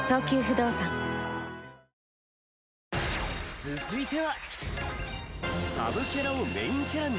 続いては。